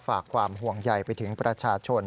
ฝากความห่วงใยไปถึงประชาชน